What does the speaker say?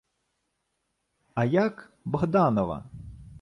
— А як... Богданова?